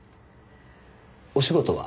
お仕事は？